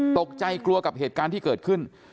ตกใจกลัวกับเหตุการณ์ที่เกิดขึ้น